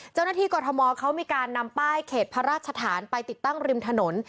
กรทมเขามีการนำป้ายเขตพระราชฐานไปติดตั้งริมถนน